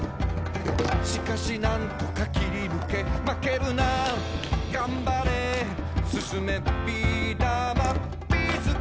「しかし何とか切りぬけ」「まけるながんばれ」「進め！ビーだまビーすけ」